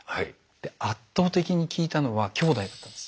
で圧倒的に効いたのはきょうだいだったんです。